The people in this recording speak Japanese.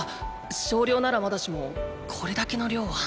少量ならまだしもこれだけの量は！